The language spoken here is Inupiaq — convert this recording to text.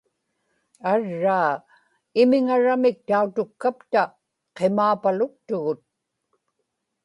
arraa, imiŋaramik tautukkapta qimaapaluktugut